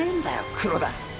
黒田。